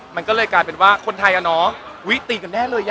มันก็เลยกลายเป็นว่าคนไทยอะเนาะอุ๊ยตีกันแน่เลยอ่ะ